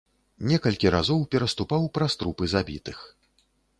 Некалькі разоў пераступаў праз трупы забітых.